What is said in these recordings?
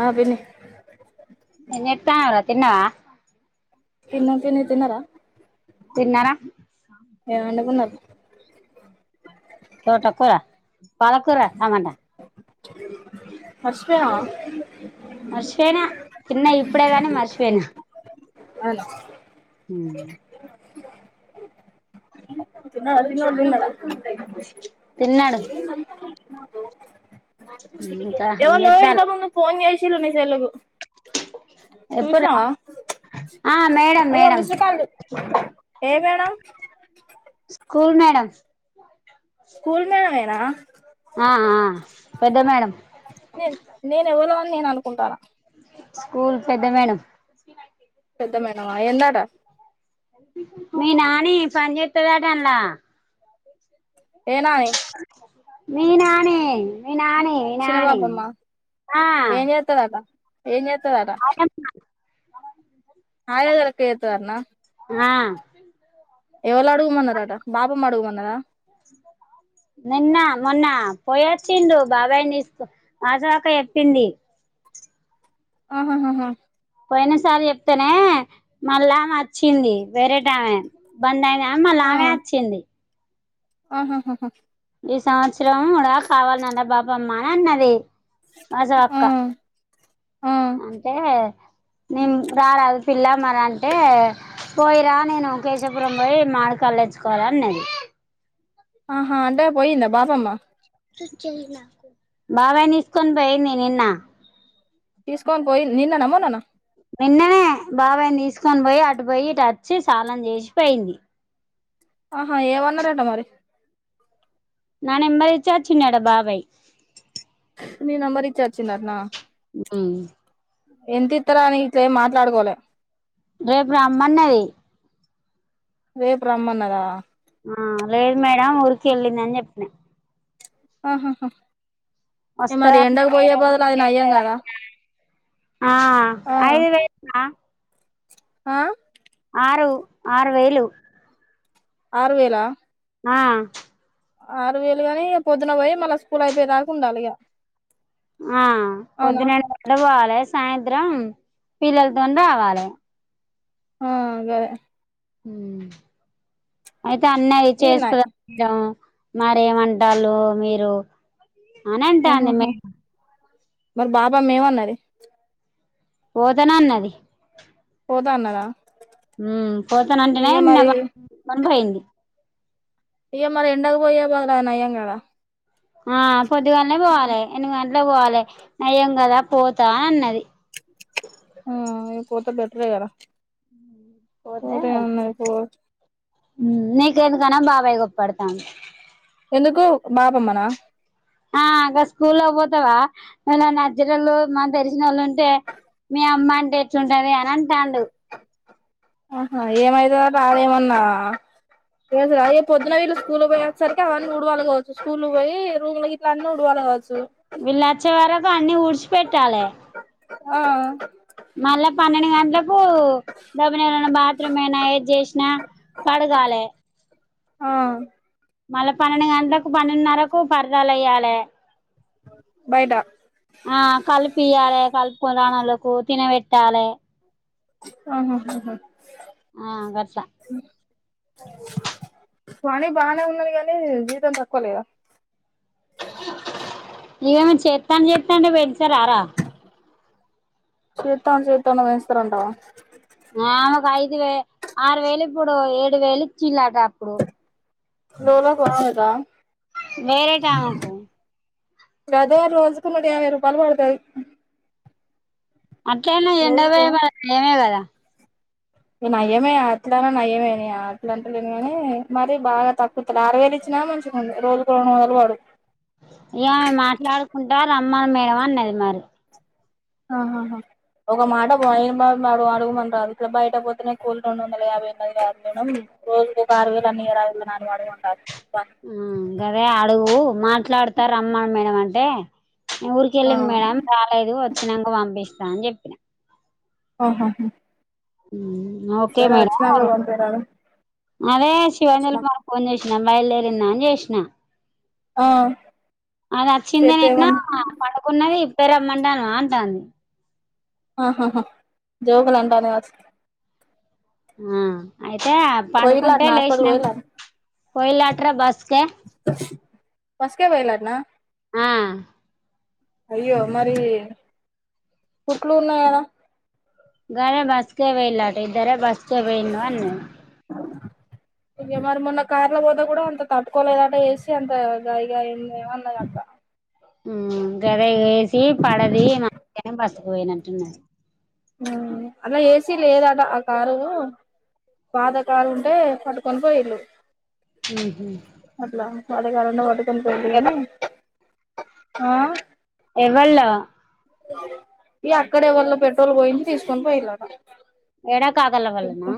ఆ పిన్ని ఏం చేత్తనవు రా తిన్నవా తిన్న తీ తీన్నార తిన్నారా ఏం అండుకున్నారు తోట కూర పాలకూర టమాటా మర్షిపోయినవా మర్చిపోయినా తిన్న ఇప్పుడే కాని మర్చిపోయినా అవును ఉ తిన్నోళ్లు తిన్నారా తిన్నాడు దు ఇంకా ఏం ఎవలో ఇంత చేత్తాలు ముందు ఫోన్ చే ళ్లు నీ సెల్ కు ఎప్పుడు చూశినవా ఆ మేడం అయ్యో మేడం మీస్డ్ కాల్ లు ఏ madam school madam school madam యేన ఆ ఆ పెద్ద మేడం నేను నేను ఎవరో అని నేను అనుకుంటాన స్కూల్ పెద్ద మేడం పెద్ద మేడమా ఏందట మీ నాని పని చేత్తదట అళ్ల ఏ నాని మీ నాని మీ నాని చిన్న నాని పాపమ్మ ఆ ఏం చేస్తుందట ఏం చేస్తుందట [unintelligible] ఆయా ల లెక్క చేతదటన ఆ ఎవళ్ అడుగు మన్నారట బాపమ్మ అడుగు మన నదా నిన్న మొన్న పోయొచ్చిండు బాబాయ్ని తీసుకో వాసవక్క చెప్పింది ఆ హాహాహా పోయిన సారి చెప్తేనే మళ్ళా ఆమె అచ్చింది వేరేటామే బంద్ అయింది మ్మలానే వచ్చింది ఆ హాాహాహ ఈ సంవత్సరం కూడా కావాలనే బాపమ్మ అని అన్నది, మాజా ఆ అక్క, ఆ అంటే నిం రరాదు పిల్ల, మరి అంటే పోయిరా నేను కేశవపురం పోయి మామిడి కాయలు తేచ్చుకోవాలే అన్నది, ఆహా అంటే పోయిందా బాపమ్మా, త చల్ నాకు బాబాయిని తిసుకొని, పోయి నీ ఇన్న, తీసుకొని పోయి నిన్న నా మ్మోన్నాన్న నిన్ననే బాబాయని తీసుకొని. పోయి అటు పోయి ఇటు వచ్చి సానం చేసిపోయింది, ఆహా ఏమన్నారట మరి, నా నెంబర్ ఇచ్చే వచ్చిండాట బాబాయ్, ని నెంబర్ ఇచ్చి వచ్చి డాటన, ఊ ఎంత ఇస్తార అని ఇట్లేమి మాట్లాడుకోలే, రేపు రమ్మన్నది, రేపు రమ్మన్నదా, ఆ లేదు మేడం ఊరికి వెళ్ళింది అని చెపి, అ ఆహా హా, వస్తదటన మేడం చేస్త నయ్యం కదా దాటన ఆ ఆ ఐదు వేయిలా, ఆ ఆరు ఆరు వేయిలు, ఆరు వేయిలా, ఆ ఆరు వేయిలుగాని పొద్దున పోయి మల్ల స్కూల్ అయిపోయ దాకా ఉండాలి ఇగా ఆ పొద్దున ఏడు గంటలకు పోవాలే, సాయంత్రం పిల్లలతో రావాలె, ఆ గాదె, హు అయితే, అన్నది ఈన్నాయ్ చేస్తందా మేడం, మరే ఎమంటారు మీరు, అని అంటాంది ఆహాహా మేడం, మరి బాపమ్మ ఏమన్నది, పోత నాన్నది, పోతాన్నదా, హు పోతానంటేనే ని పోయింది ఇగ మరి ఎండకపోయ బదలు అది నయం కదా, ఆ పొదిదుగాలనే పోవాలి ఏనిమీ, ఎండకు పోవాలే నయం కదా పోతా అన్నది ఉ పోతే బె టరే కదా పోతే ఏమున్నది పో నీకెందుకనో బాబాయి కో పడ్తండు ఎందుకు బపమ్మనా ఆ గ స్కూల్లో పోతవా ఇళ న జెల్సినోళ్లు మ తెలిసినోళ్ళు ఉంటే మీ అమ్మ అంటే యెట్లుంటదే అని అంటండు ఆహా ఏమైతదట అదేమన్నా చేసుడా ఇగ పొద్దున వీళ్లు స్కూల్ పోయే ఆచేసరికి అవన్నీ ఉడవాలి కావచ్చు స్కూల్ పోయి రూమ్ల గిట్లా అన్నీ ఉడవాలి కావచ్చు వీళ్ళచ్చే వరకు అన్ని ఊడ్చి పెట్టాలే ఆ మళ్ళ పన్నెండు గంటలకు కు దబ్బనయేవలన్న బాత్రూమ్ అయినా ఏది చేసినా కడగాలే ఆ మళ్ళా పన్నెండు గంటలకు పన్నెండున్నరకు పరదాలేయ్యాలే బయట ఆ కలిపియ్యాలే కలుపుకొనురానోలకు తినవేట్టాలే ఆహాహాహా ఆ గట్ల పని బానే ఉన్నది గానీ జీతం తక్కువ లేదా ఏమో చేతంటే చేతాంటే పేంచారారా చేతంటే చేతాంటే పెంచుతరంటవా ఆమెకు ఐదు వే ఆరు వేలు ఇప్పుడు ఏడు వేలు ఇచ్చిలాట అప్పుడు లోలా కొసేద వేరేటమేకు అదే రోజుకు నూట యాభై రూపాయలు పడుతది అట్లైనా ఈ ఎండ పోయే బదలు నయమే కదా ఈ నయ్యమే అట్లానా నయ్యమేనా అట్లా అంటలేను కానీ మరి బాగా తక్కువితలే ఆరువేలు ఇచ్చినా మంచిగుండు రోజుకు రెండు వందలు వడు ఈ ఆమె మాట్లాడుకుంటా రమ్మను మేడం అన్నది మరి ఆహ ఒక మాట పోయి మన్నాడు అడుగుమను రాదు ఇట్లా బయట పోతేనే కూలి రెండు వందల యాభైఉన్నది కాదు మేడం రోజు ఒక ఆరు వేల అన్న ఇయరాదులి మేడం అడుగు మాన్రాదు ఆ గదే అడుగు మాట్లాడత రమ్మను మేడం అం టె ఊరికి ఆ కెళ్లింది మేడం రాలేదు వ చినంక పంపిస్తా అని చెప్పినా ఓ హాహు ఉ ఓకే మేడం పంపిరాదు అదే శివాంజలి మేడం ఫోన్ చేసి నా బయలుదేరింద అని చేసిన ఆ అది అచ్చిందే చేతే నిన్న ఏమన్నా పడుకున్నది పెరమంటనవ అంటాంది ఆహాహా జోకులుంటది కవోచ్ హుమ్ టె పండుకుంటే పోయిలాటనా హాస్పిటల్ లేచినాం పోయిలాటనా పోయిలట్రా బస్ కి బస్కే పోయిలట్నా ఆ అయ్యో మరీ పుట్లు ఉన్నా కదా గానే బస్కే పొయిల్ ఇద్దరే బస్కే పోయిండు అన్న ఇగ మరి మొన్న కార్ల పోతే కూడా అంత తట్టుకోలేదట ఏసి అంత గాయి గా ఏ ఏమన్నకత గదే ఏసి పడది మ బస్ పోయినంటున్న హుమ్ అలా ఏసీ లేదట ఆ కారు పాత కారు ఉంటే పట్టుకొని పోయిళ్లు హు హుమ్ అదే కారున్న మటుక్ ఎల్లిపోయిండ్రు గాని ఆ ఎవళ్లా ఈ అక్కడే ఎవళ పెట్రోల్ పోయించి తీసుకొని పోయిండ్రట కలవళ్ళనా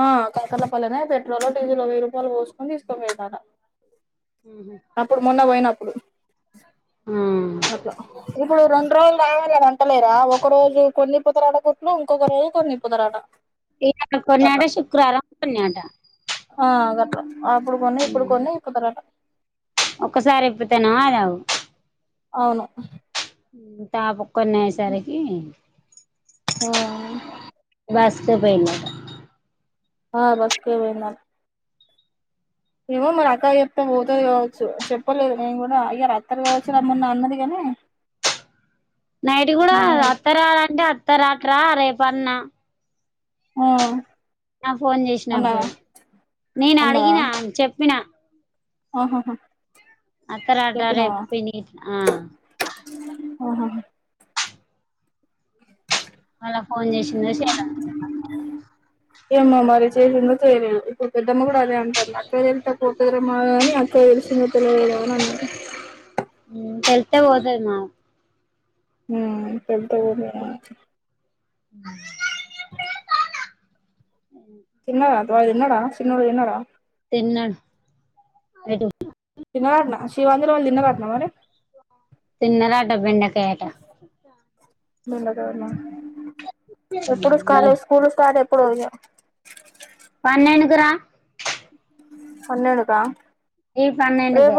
ఆ కాకర్లపల్లెనే పెట్రోలో డీజిలో వెయ్యి రూపాయలు పోసుకొని తీసుకో పోయిండ్రట అప్పుడు మొన్న పోయినప్ అట్లా ఇపుడు రన్ ట్రోల్ తగలాలి కదా ట్టలేరా ఒక రోజు కొన్ని పుతరాడక్ కుట్లు ఇంకొకరోజు కొన్ని ఇప్పుతారట అట్లా కొన్నాడూ శుక్రవారం కొన్నాడట ఆ ఆ గట్ల అప్పుడు కొన్నయ్ ఇప్పుడు కొన్నయ్ ఇప్పుడుతరట ఒకసారి ఎప్పుతనా అనవ్ అవును తాపు కొన్నయ్యే సరికి హుమ్ బస్సు పోయిండట హ బస్ కే వెళ్ళినం ఏమో మరి అక్కక్ చెప్తే పోతది కావచ్చు చెప్పలేదు నేను గుడా ఇయ్యల అత్తరు కావచ్చు రమ్మన్నా అన్నది గానీ నైట్ కూడా అత్తరా రా అంటే అత్ త్త రాటరా రేప్ అన్న ఆ నా ఫోన్ అన్నదా చేసినప్పుడు నేను అన్నదా అడిగినా చెప్పినా ఆహాహా అత్త రాటారేప్ పిన్ని గిట్ల ఆ ఆహా మళ్ళ ఫోన్ చేసిందో చేయలె ఏమ్మో మరి చేసిందో చేయలేదో అప్పుడు పెద్దమ్మ కూడా అదే అంటంది. అక్కకి తెలుత్తే పోతారేమో కాని అక్కకి తెలిసిందో తెలువలేదో అని అన్నది తెలుత్తే పోతది మాగ హ్మ్ తెలిత్తే పోతది మాగ అమ్మమ్మా [inaudible] తిన్నారా వాడు తిన్నడ చిన్నోడు తిన్నడ తిన్నడు ఎటు తిన్నరటన శివాంజలి వాళ్ళు తిన్నారటన తిన్న రా ట్ ట బెండకాయటా బెండకాయట్నా ఎప్పుడు స్కాలేజ్ స్కూల్ స్టార్ట్ ఎప్ [unintelligible] పన్నేండుకు రా పన్నేండుకా ఈ పన్నెండుకు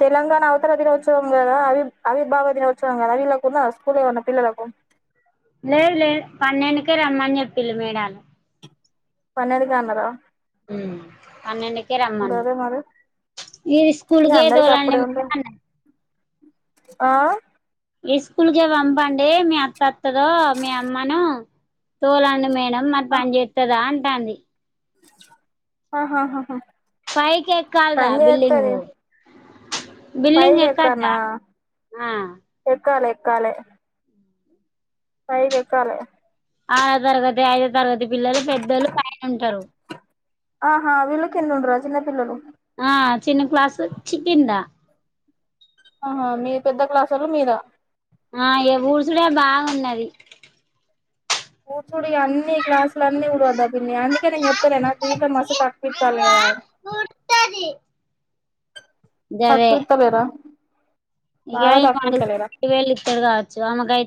తెలంగాణ అవతరణ దినోత్సవం కదా అవిర్భావ దినోత్సవం కదా వీళ్లకు ఉన్నదా స్కూల్ ఏమన్న పిల్లలకు. లేదు లేదు పన్నెండుకే రమ్మని చెప్పిళ్ళు మేడాలు పన్నేండుకే అన్నారా. హ్మ్ పన్నెండుకే రమ్మన్నది. గదే మరి ఈ ఇగ స్కూల్కే అందరికి తోలండి అప్పుడే ఉంటది అన్నది. ఆ ఈ స్కూల్కే పంపండి. మీ అత్త అత్తదో, మీ అమ్మను తోలండి. మే రమ్మన్ పని చేేత్తాదా. అంటాది ఆ హా హా హ పైకి ఎక్కాలరా బిల్డింగ్. పైకి ఎక్కన్న ఎక్కద్దా ఆ ఎక్కాలే. క్కాలే. పైకి ఎక్కాలే. ఆరో తరగతి, ఐదో తరగతి పిల్లలు పెద్దోళ్ళు పైన ఉంటరు. ఆహా వీళ్ళు కింద ఉంటారా, చిన్న పిల్లలు. ఆ చిన్న క్లాస్ చి కిిందా ఆహా మీ పెద్ద క్లాసోల్లు మీద ఆ ఇగ ఊడ్చుడే బాగున్నది ఊడ్చుడు ఇ అన్ని గ్లాసులు అన్నీ ఉడవద్దా పిన్ని, అందుకే నేను చెప్తలేనా, జీతం మస్త్ తక్కువ ఇత్తాలు కదా, [unintelligible] తక్కువ ఇత్తలేరా ఈగా బాగా ఈమె తక్కువ అడుగ్ ఇత్తలేరా రెండు వేలు ఇత్తరు కావచ్చు.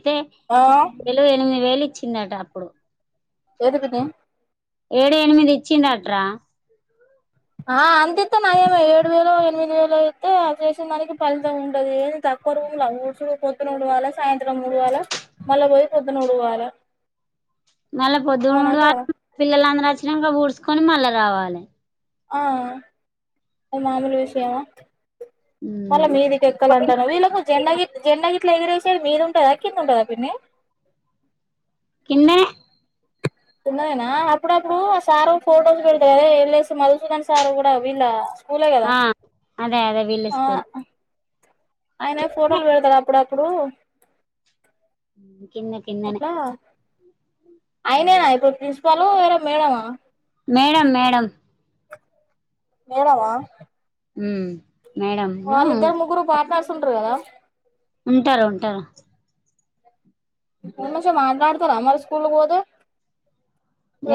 టే ఆ ఏలు ఎనిమిది వేలు ఇ ఇచ్చిడట అప్పుడు ఏంది పిన్ని. ఏడు ఎనిమిది ఇచ్చిండట్రా. ఆహ అంతింతే నయమే ఏడు వేలో, ఎనిమిది వేలో అయితే అది చేసిన దానికి ఫలితం ఉంటది ఏమి తక్కువ రూముల ఊడ్చుడు పొద్దున ఉడవాలే సాయంత్రం కూడా ఉడవాల మళ్ళీ పోయి పొద్దున ఉడవాల మళ్ళ పొద్డు ఉడవాల పిల్లలు అందరు వచ్ చ్చినంక ఊడ్సుకొని మళ్ళా రావాలి ఆ అ మరి మాములు విషయమా మళ్ళా మీదికి ఎక్కాలంటాను వీళ్ళకి జండాగి జండాగి ఇట్లా ఎగిరేసేది మీద ఉంటదా కింద ఉంటదా పిన్ని కిన్నె ఉన్నదేనా అప్పుడప్పుడు ఆ సారు ఫొటోస్ పెడుతడు కదే ఎళ్ళైసి మధుసూదన్ సారు కూడా వీళ్ళ స్కూలే కదా ఆ అదే అదే వీళ్ళ ఆ స్కూల్ ఆయన ఫోటోలు పెడతాడు అప్పుడపు ఇప్పుడు కింద కిందనే ఆయనే కదా ఇప్పుడు ప్రిన్స్ పలు వేరె మేడమా మేడం మేడం మేడమా ఉమ్ వాళ్ళు ఇద్దరు ముగ్గురు పార్ట్నర్స్ సుంటరు కదా ఉంటారు ఉంటారు మష మాట్లాడతారా మరి స్కూల్ కి పోతే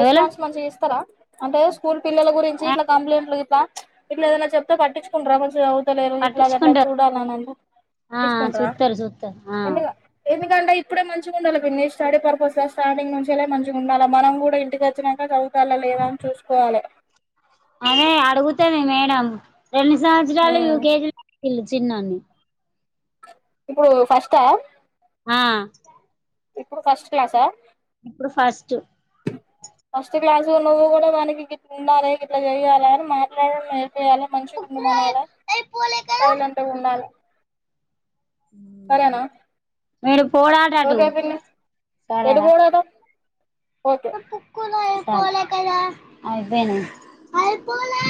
ఎవలు మంచిగా ఇస్తారా అంటే స్కూల్ పిల్లల గురించి ఇట్లా కంప్లైంట్లు ఇట్లా ఇట్లా ఏదైనా చెప్తే పట్టించుకుంటార మంచిగ తలేరు ఇట్లా గట్లా పట్టించుకుంటారు చూడాలని ఆ తీసుకుంట్ర చూస్తారు చూస్తారు ఆ ఎందుకు ఏ [unintelligible] ఇప్పుడే మంచిగా ఉండాలి. పిన్ని స్టడీ పర్పస్ లో స్టార్టింగ్ నుంచే మంచిగా ఉండాల మనం కూడా ఇంటికి వచ్చినాక చదువుతాలా లేదా అని చూసుకోవాలి. అదే అడుగుతది. మేడం రెండు సంవత్సరాలు ఉమ్ యుకేజీలో ఇల్లు చిన్నోని ఇప్పుడు ఫస్టా ఆ ఇప్పుడు ఫస్ట్ క్లాసా ఇప్పుడు ఫస్ట్ ఫస్ట్ క్లాస్ నువ్వు కూడా వానికి గిట్లు ఉండాలి. గిట్లా చేయాలి. అని మాట్లాడడం నేర్పి చేయాలా మంచిగా ఉండు మనాలి. సైలెంట్ గా ఉండాలి. సరేనా మీరు పోడాటటు ఒకే పిన్ని ఏడు పోడు అట [unintelligible] పోలే కదా అయిపోయినయ్ అయిపోలే